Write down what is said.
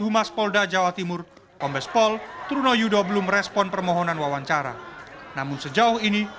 humas polda jawa timur ombespol truno yudho belum respon permohonan wawancara namun sejauh ini